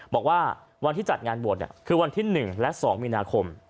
บอกว่าวันที่จัดงานบวชคือวันที่๑และ๒มีนาคม